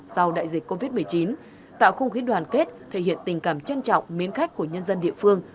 sau đại dịch covid một mươi chín tạo không khí đoàn kết thể hiện tình cảm trân trọng mến khách của nhân dân địa phương